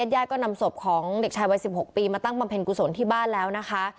ญาติก็นำศพของเด็กชายวัย๑๖ปีมาตั้งบำเพ็ญกุศลที่บ้านแล้วนะคะ